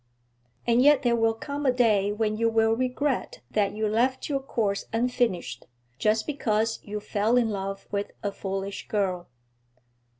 'And yet there will come a day when you will regret that you left your course unfinished, just because you fell in love with a foolish girl.'